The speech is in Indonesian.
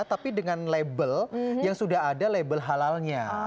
tapi dengan label yang sudah ada label halalnya